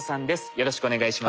よろしくお願いします。